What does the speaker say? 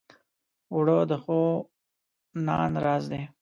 اوړه د ښو نان راز دی